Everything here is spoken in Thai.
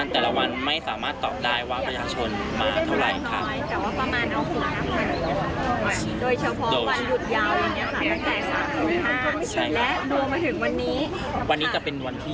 ทุกคนที่อยู่บริเวณรอบสนามหลวงหรือว่าใกล้